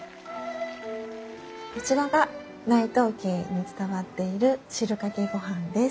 そちらが内藤家に伝わっている汁かけ御飯です。